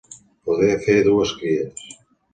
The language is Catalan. Poder fer dues cries.